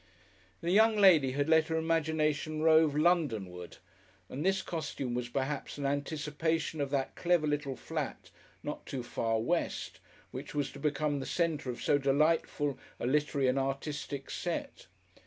The young lady had let her imagination rove Londonward, and this costume was perhaps an anticipation of that clever little flat not too far west which was to become the centre of so delightful a literary and artistic set.